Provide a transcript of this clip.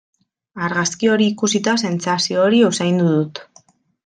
Argazki hori ikusita sentsazio hori usaindu dut.